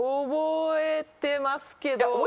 覚えてますけど。